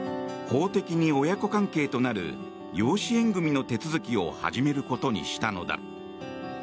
法的に親子関係となる養子縁組の手続きを始めることにしたのだ。